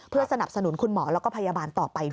เพื่อสนับสนุนคุณหมอแล้วก็พยาบาลต่อไปด้วย